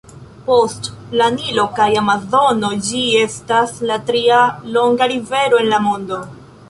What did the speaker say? Post la Nilo kaj Amazono, ĝi estas la tria longa rivero en la mondo.